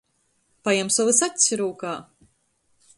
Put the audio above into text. Pajem sovys acs rūkā!